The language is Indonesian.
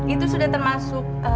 itu sudah termasuk